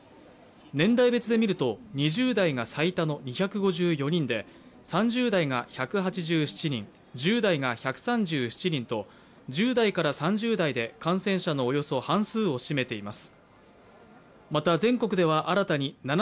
年代別で見ると、２０代が最多の２５４人で３０代が１８７人、１０代が１３７人と１０代から３０代で感染者のおよそ半数を占めています。